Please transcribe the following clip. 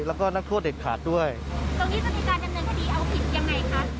แล้วก็นักโทษเด็ดขาดด้วยตรงนี้จะมีการดำเนินคดีเอาผิดยังไงคะ